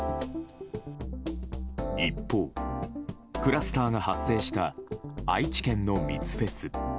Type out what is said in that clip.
一方、クラスターが発生した愛知県の密フェス。